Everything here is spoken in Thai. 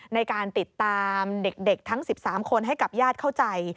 ในการติดตามเด็กทั้ง๑๓คนให้กับญาติเข้าใจ